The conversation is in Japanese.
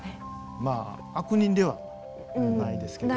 まあ悪人ではないですけど。